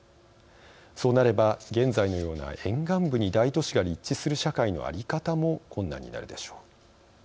そうなれば現在のような沿岸部に大都市が立地する社会の在り方も困難になるでしょう。